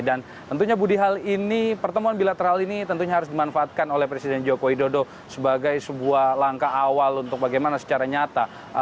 dan tentunya budi hal ini pertemuan bilateral ini tentunya harus dimanfaatkan oleh presiden joko widodo sebagai sebuah langkah awal untuk bagaimana secara nyata